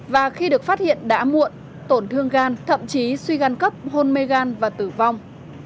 và khi được phát hiện đã muộn tổn thương gan thậm chí suy gan cấp hôn mê gan và tử vong